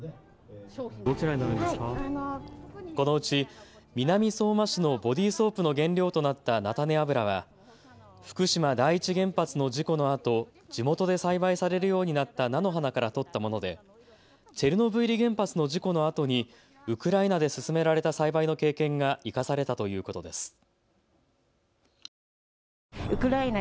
このうち南相馬市のボディーソープの原料となった菜種油は福島第一原発の事故のあと地元で栽培されるようになった菜の花からとったものでチェルノブイリ原発の事故のあとにウクライナで進められた栽培の経験が生かされたということです。